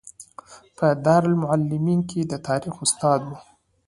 په دارالمعلمین کې د تاریخ استاد و.